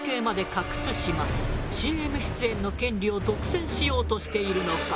ＣＭ出演の権利を独占しようとしているのか？